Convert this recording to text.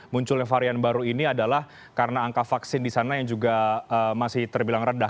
munculnya varian baru ini adalah karena angka vaksin di sana yang juga masih terbilang rendah